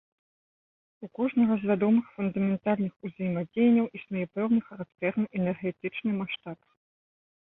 У кожнага з вядомых фундаментальных узаемадзеянняў існуе пэўны характэрны энергетычны маштаб.